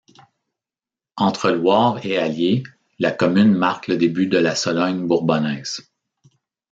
Entre Loire et Allier, la commune marque le début de la Sologne bourbonnaise.